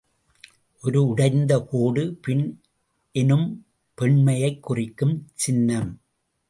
ஓர் உடைந்த கோடு பின், எனும் பெண்மையைக் குறிக்கும் சின்னம்.